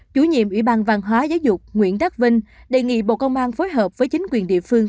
chủ nhiệm ủy ban văn hóa giáo dục nguyễn đắc vinh đề nghị bộ công an phối hợp với chính quyền địa phương